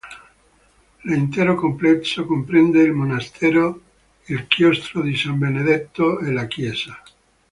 L'intero complesso comprende il Monastero, il chiostro di San Benedetto e la chiesa.